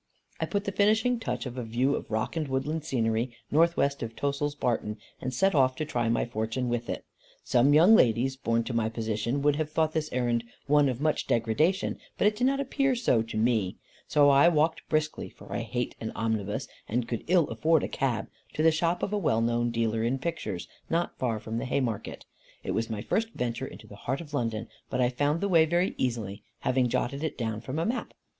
I put the finishing touch to a view of rock and woodland scenery, north west of Tossil's Barton, and set off to try my fortune with it. Some young ladies, born to my position, would have thought this errand one of much degradation, but it did not appear so to me. So I walked briskly for I hate an omnibus, and could ill afford a cab to the shop of a well known dealer in pictures, not far from the Haymarket. It was my first venture into the heart of London, but I found the way very easily, having jotted it down from a map.